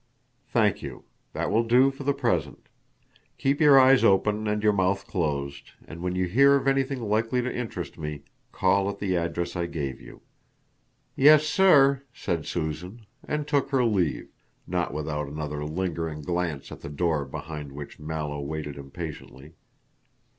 "Thank you, that will do for the present. Keep your eyes open and your mouth closed, and when you hear of anything likely to interest me, call at the address I gave you." "Yes, sir," said Susan, and took her leave, not without another lingering glance at the door behind which Mallow waited impatiently.